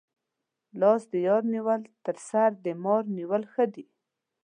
لاس د یار نیول تر سر د مار نیولو ښه دي.